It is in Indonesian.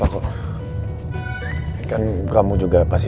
pokoknya kau tidur ya ani